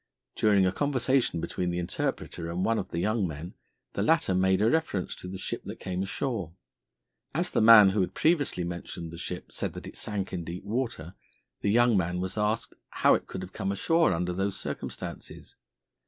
During a conversation between the interpreter and one of the young men, the latter made a reference to the ship that came ashore. As the man who had previously mentioned the ship said that it sank in deep water, the young man was asked how it could have come ashore under those circumstances.